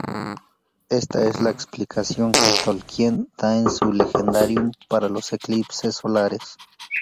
Esta es la explicación que Tolkien da en su "legendarium" para los eclipses solares.